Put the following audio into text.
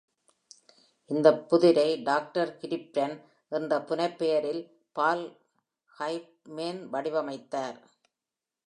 இந்த புதிரை "doctor Crypton" என்ற புனைப்பெயரில் பால் ஹாஃப்மேன் வடிவமைத்தார்.